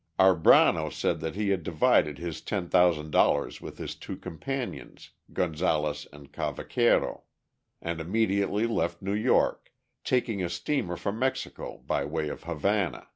Arbrano said that he had divided his $10,000 with his two companions, Gonzales and Cavaquero, and immediately left New York, taking a steamer for Mexico by way of Havana.